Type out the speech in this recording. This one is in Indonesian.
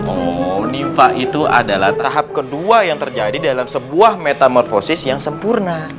oh diva itu adalah tahap kedua yang terjadi dalam sebuah metamorfosis yang sempurna